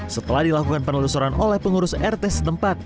setelah dilakukan penelusuran oleh pengurus rt setempat